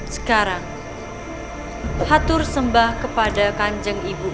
sekarang hatur sembah kepada kanjeng ibu imban